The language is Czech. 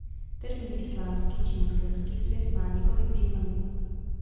Termín islámský či muslimský svět má několik významů.